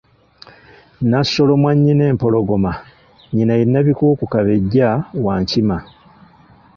Nassolo Mwannyinempologoma, nnyina ye Nabikuku Kabejja wa Nkima.